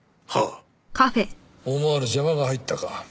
思わぬ邪魔が入ったか。